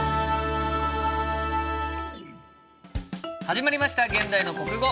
始まりました「現代の国語」。